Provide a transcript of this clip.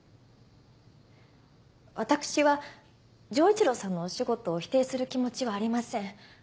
私は丈一郎さんのお仕事を否定する気持ちはありません。